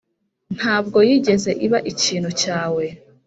ntabwo yigeze iba ikintu cyawe.